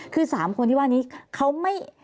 คือ๓คนที่ว่านี้เขาไม่